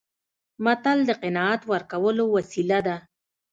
متل د قناعت ورکولو وسیله ده